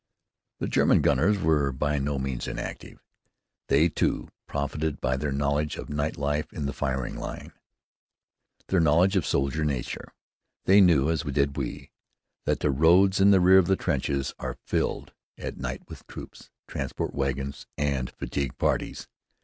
The German gunners were by no means inactive. They, too, profited by their knowledge of night life in the firing line, their knowledge of soldier nature. They knew, as did we, that the roads in the rear of the trenches are filled, at night, with troops, transport wagons, and fatigue parties.